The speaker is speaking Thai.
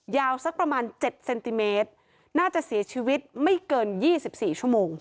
สักประมาณ๗เซนติเมตรน่าจะเสียชีวิตไม่เกิน๒๔ชั่วโมง